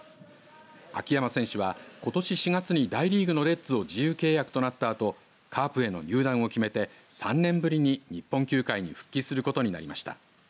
秋山選手は、ことし４月に大リーグのレッズを自由契約となったあとカープへの入団を決めて３年ぶりに日本球界に復帰することになりました。